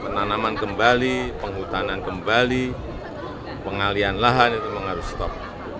penanaman kembali penghutanan kembali pengalian lahan itu memang harus stop